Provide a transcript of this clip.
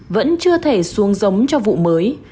vẫn chưa thể xuống giống cho vụ mới